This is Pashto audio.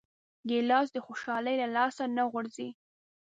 ګیلاس د خوشحالۍ له لاسه نه غورځي.